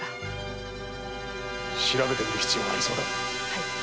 調べてみる必要がありそうだな。